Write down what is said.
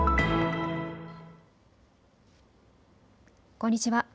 こんにちは。